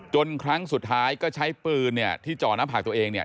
ครั้งสุดท้ายก็ใช้ปืนเนี่ยที่จ่อหน้าผากตัวเองเนี่ย